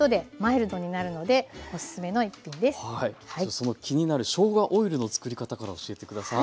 その気になるしょうがオイルの作り方から教えて下さい。